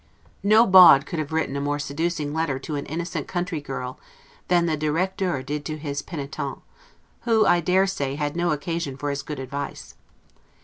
No bawd could have written a more seducing letter to an innocent country girl, than the 'directeur' did to his 'penitente'; who I dare say had no occasion for his good advice.